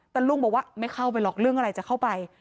แต่ลุงบอกว่าไม่เข้าไปหรอกเรื่องอะไรจะเข้าไป